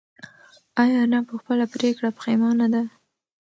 ایا انا په خپله پرېکړه پښېمانه ده؟